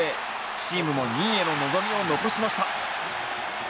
チームも２位への望みを残しました。